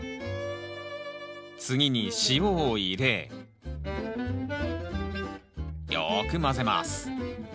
次に塩を入れよく混ぜます